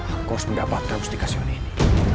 aku harus mendapatkan mustika sion ini